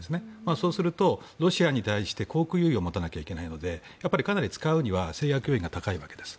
そうすると、ロシアに対して航空優位を持たなきゃいけないのでかなり使うには制約要因が高いわけです。